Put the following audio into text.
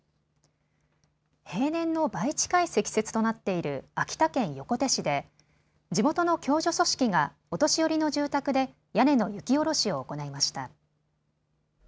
平年の倍近い積雪となっている秋田県横手市で地元の共助組織がお年寄りの住宅で屋根の雪下ろしを行いました。